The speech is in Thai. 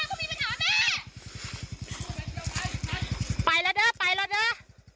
เข้ามาก็มีปัญหาแม่